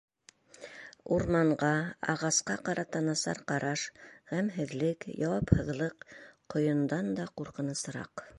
Урманға, ағасҡа ҡарата насар ҡараш, ғәмһеҙлек, яуапһыҙлыҡ ҡойондан да ҡурҡынысыраҡ.